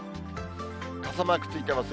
傘マークついてます